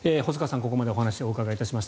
ここまでお話をお伺いしました。